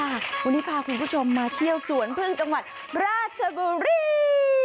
วันนี้พาคุณผู้ชมมาเที่ยวสวนพึ่งจังหวัดราชบุรี